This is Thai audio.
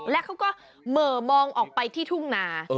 แล้วเขาก็เหม่อมองออกไปที่ทุ่งนา